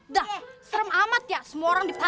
dah serem amat ya semua orang dipang